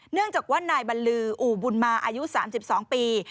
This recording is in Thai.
เนื่องจากว่านายบรรลืออู่บุญมาอายุ๓๒ปี